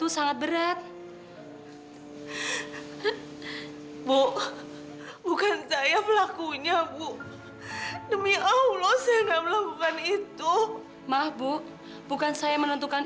sebaiknya kamu pulang aja ya